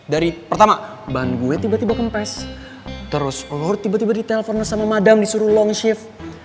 dari pertama ban gue tiba tiba kempes terus lo tiba tiba di telepon sama madame disuruh long shift